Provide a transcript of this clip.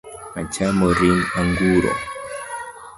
Achamo ring' anguro